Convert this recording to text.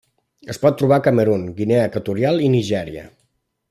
Es pot trobar a Camerun, Guinea Equatorial i Nigèria.